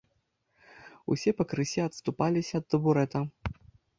Усе пакрысе адступаліся ад табурэта.